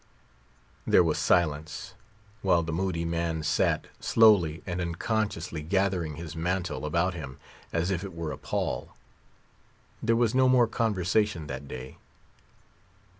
There was silence, while the moody man sat, slowly and unconsciously gathering his mantle about him, as if it were a pall. There was no more conversation that day.